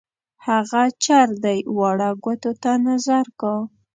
هغه چر دی واړه ګوتو ته نظر کا.